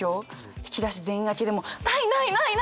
引き出し全開けでもうないないないない！